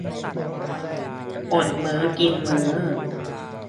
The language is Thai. อดมื้อกินมื้อ